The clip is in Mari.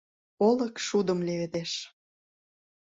Олык шудым леведеш